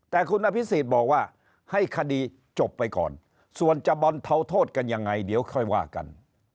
แต่คุณอภิษฎบอกว่าให้คดีจบไปก่อนส่วนจะบรรเทาโทษกันยังไงเดี๋ยวค่อยว่ากัน